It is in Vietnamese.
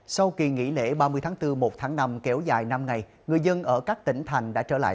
sau kỳ nghỉ lễ ba mươi tháng bốn một tháng năm kéo dài năm ngày người dân ở các tỉnh thành đã trở lại